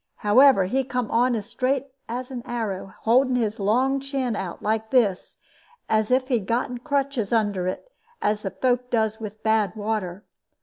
However, he come on as straight as a arrow, holding his long chin out, like this, as if he gotten crutches under it, as the folk does with bad water.